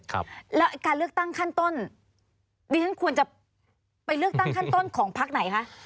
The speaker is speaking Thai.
ครับแล้วการเลือกตั้งขั้นต้นดิฉันควรจะไปเลือกตั้งขั้นต้นของพักไหนคะ